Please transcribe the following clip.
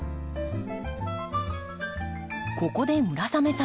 ここで村雨さん